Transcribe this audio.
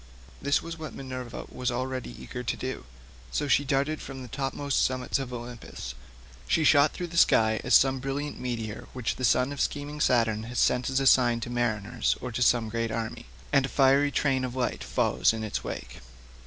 This was what Minerva was already eager to do, so down she darted from the topmost summits of Olympus. She shot through the sky as some brilliant meteor which the son of scheming Saturn has sent as a sign to mariners or to some great army, and a fiery train of light follows in its wake.